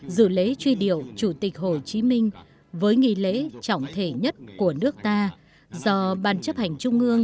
dự lễ truy điệu chủ tịch hồ chí minh với nghị lễ trọng thể nhất của nước ta do ban chấp hành trung ương